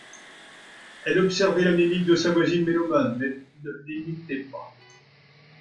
Elle observait la mimique de sa voisine mélomane, mais ne l’imitait pas.